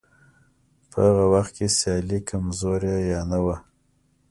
په هغه وخت کې سیالي کمزورې یا نه وه.